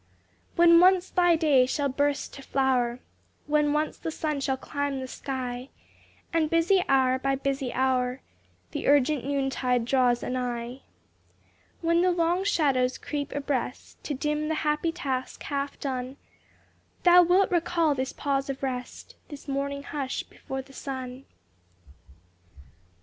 When once thy day shall burst to flower, When once the sun shall climb the sky, And busy hour by busy hour, The urgent noontide draws anigh; When the long shadows creep abreast, To dim the happy task half done, Thou wilt recall this pause of rest, This morning hush before the sun.